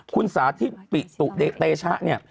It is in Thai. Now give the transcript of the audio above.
คุณสาธิตปิตุเดชะเนี่ย